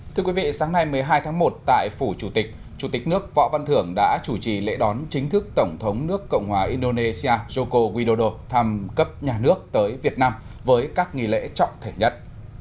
thưa quý vị sáng nay một mươi hai tháng một tại phủ chủ tịch chủ tịch nước võ văn thưởng đã chủ trì lễ đón chính thức tổng thống nước cộng hòa indonesia joko widodo thăm cấp nhà nước tới việt nam với các nghi lễ trọng thể nhất